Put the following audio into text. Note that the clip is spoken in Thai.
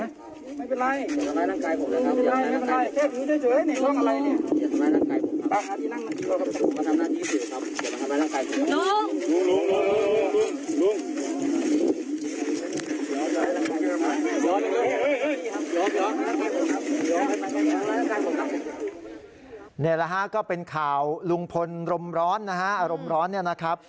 นี่แหละฮะก็เป็นข่าวลุงพลรมร้อนนะฮะอารมณ์ร้อนเนี่ยนะครับ